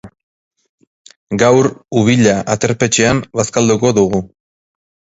Gaur Ubilla aterpetxean bazkalduko dugu.